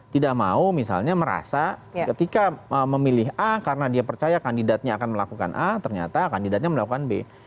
tidak mau misalnya merasa ketika memilih a karena dia percaya kandidatnya akan melakukan a ternyata kandidatnya melakukan b